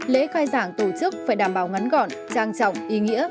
lễ khai giảng tổ chức phải đảm bảo ngắn gọn trang trọng ý nghĩa